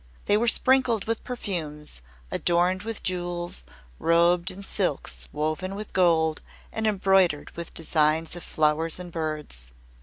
They were sprinkled with perfumes, adorned with jewels, robed in silks woven with gold and embroidered with designs of flowers and birds.